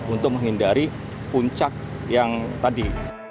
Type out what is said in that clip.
untuk menghindari puncak yang tadi